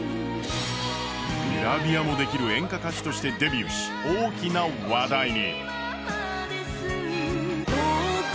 グラビアもできる演歌歌手としてデビューし、大きな話題に。